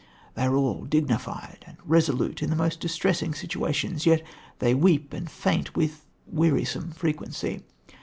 They are all dignified and resolute in the most distressing situations, yet they weep and faint with wearisome frequency.